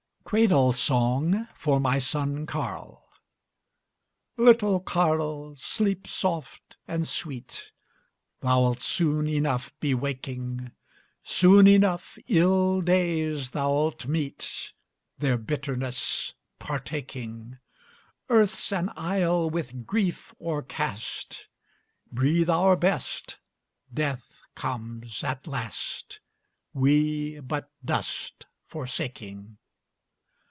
CRADLE SONG FOR MY SON CARL Little Carl, sleep soft and sweet: Thou'lt soon enough be waking; Soon enough ill days thou'lt meet, Their bitterness partaking. Earth's an isle with grief o'ercast; Breathe our best, death comes at last, We but dust forsaking.